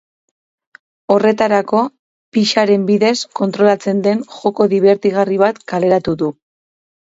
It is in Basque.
Horretarako, pixaren bidez kontrolatzen den joko dibertigarri bat kaleratu du.